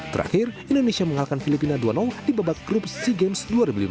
terakhir indonesia mengalahkan filipina dua di babak grup sea games dua ribu lima belas